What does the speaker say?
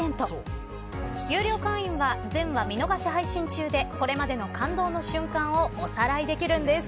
有料会員は全話、見逃し配信中でこれまでの感動の瞬間をおさらいできるんです。